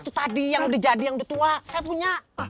itu tadi yang udah jadi yang udah tua saya punya